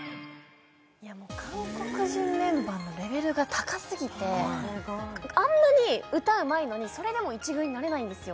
韓国人メンバーのレベルが高すぎてあんなに歌うまいのにそれでも１軍になれないんですよ